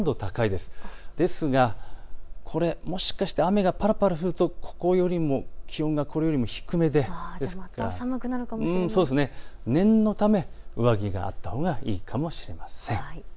ですが、もし雨がぱらぱら降ると気温がこれよりも低めで念のため、上着があったほうがいいかもしれません。